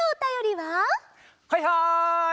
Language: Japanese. はいはい！